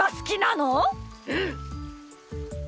うん！